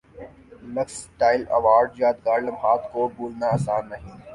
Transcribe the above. looks style award یادگار لمحات کو بھولنا اسان نہیں